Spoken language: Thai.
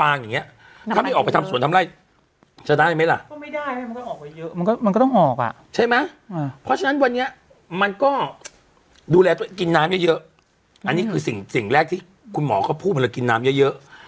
อันนี้คือสิ่งแรกที่คุณหมอเขาพูดมาเลยกินน้ำเยอะ